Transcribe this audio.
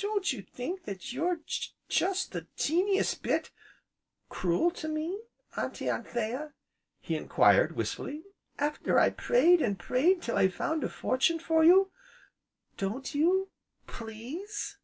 "Don't you think that you're just the teeniest bit cruel to me, Auntie Anthea?" he enquired wistfully, "after I prayed an' prayed till I found a fortune for you! don't you, please?"